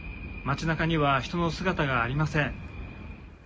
街なかには人の姿がありません。